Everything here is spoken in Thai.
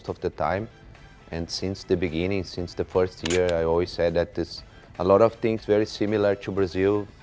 ตั้งแต่ปีก่อนตั้งแต่ปีก่อนฉันเคยบอกว่าทุกอย่างเหมือนกับบราซิล